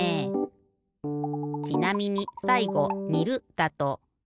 ちなみにさいごにるだと。